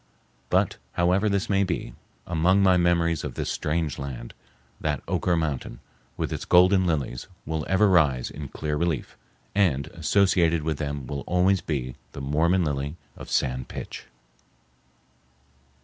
But, however this may be, among my memories of this strange land, that Oquirrh mountain, with its golden lilies, will ever rise in clear relief, and associated with them will always be the Mormon lily of San Pitch.